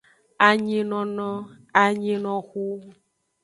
Anyinono, anyinoxu.